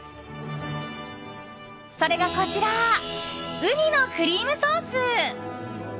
それがこちらウニのクリームソース。